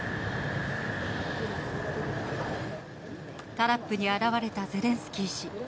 タラップに現れたゼレンスキー氏。